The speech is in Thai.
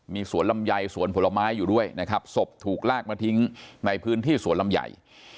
มีสวนลำไยสวนผลไม้อยู่ด้วยนะครับศพถูกลากมาทิ้งในพื้นที่สวนลำใหญ่